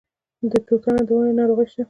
د توتانو د ونو ناروغي شته؟